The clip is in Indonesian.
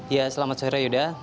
ya selamat sehari yuda